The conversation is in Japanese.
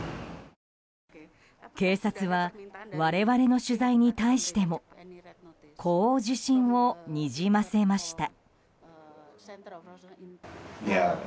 警察は、我々の取材に対してもこう自信をにじませました。